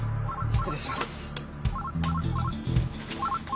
失礼します。